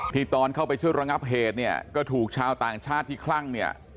ตอนเข้าไปช่วยระงับเหตุเนี่ยก็ถูกชาวต่างชาติที่คลั่งเนี่ย